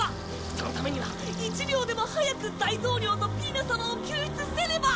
そのためには１秒でも早く大統領とピイナ様を救出せねば！